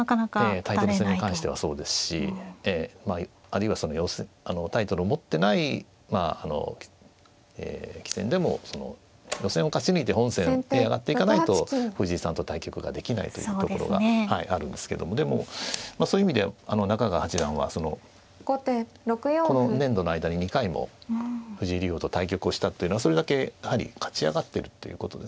タイトル戦に関してはそうですしええあるいはタイトルを持ってないまああの棋戦でも予選を勝ち抜いて本戦に上がっていかないと藤井さんと対局ができないというところがあるんですけどもでもまあそういう意味で中川八段はそのこの年度の間に２回も藤井竜王と対局をしたっていうのはそれだけやはり勝ち上がってるっていうことですね。